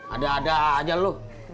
ada ada aja lu